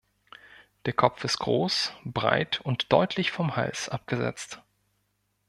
Der Kopf ist groß, breit und deutlich vom Hals abgesetzt.